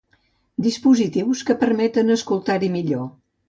Dispositius que permeten escoltar-hi millor.